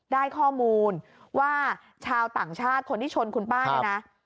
ได้ข้อมูลว่าชาวต่างชาติคนที่ชนคุณป้าเนี่ยนะ